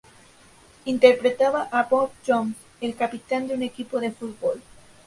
Interpretaba a Bob Jones, el capitán de un equipo de fútbol.